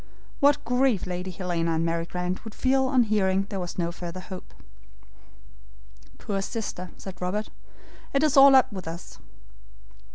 What grief Lady Helena and Mary Grant would feel on hearing there was no further hope. "Poor sister!" said Robert. "It is all up with us."